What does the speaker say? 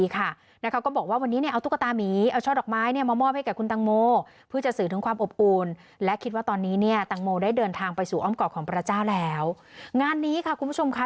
ก็ไม่ว่าจะเป็นคนที่มาร่วมงานทั้งหมด